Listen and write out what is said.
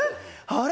あれ？